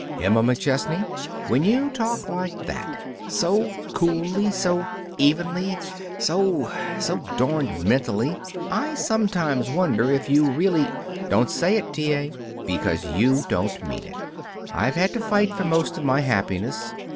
"Emma McChesney, when you talk like that, so coolly, so evenly, so so darned mentally, I sometimes wonder if you really " "Don't say it, T. A. Because you don't mean it. I've had to fight for most of my happiness.